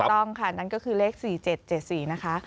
ต้องค่ะนั่นก็คือเลข๔๗๗๔นะคะ